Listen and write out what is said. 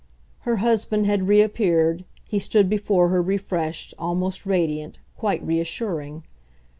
Her husband had reappeared he stood before her refreshed, almost radiant, quite reassuring.